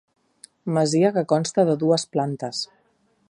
Masia que consta de dues plantes.